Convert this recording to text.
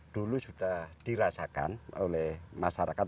dulu sudah dirasakan oleh masyarakat